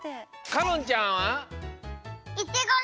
かのんちゃんは？